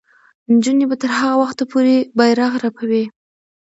نجونې به تر هغه وخته پورې بیرغ رپوي.